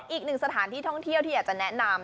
อีกหนึ่งสถานที่ท่องเที่ยวที่อยากจะแนะนำ